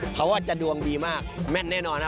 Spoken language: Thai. เขาจะดวงดีมากแม่นแน่นอนนะ